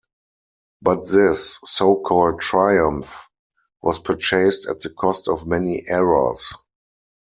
But this so-called triumph was purchased at the cost of many errors.